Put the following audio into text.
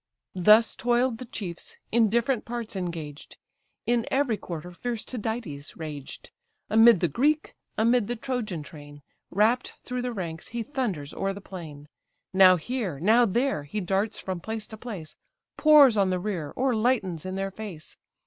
Thus toil'd the chiefs, in different parts engaged. In every quarter fierce Tydides raged; Amid the Greek, amid the Trojan train, Rapt through the ranks he thunders o'er the plain; Now here, now there, he darts from place to place, Pours on the rear, or lightens in their face.